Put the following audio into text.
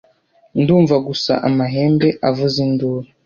ndumva gusa amahembe avuza induru